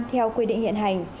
theo quy định hiện hành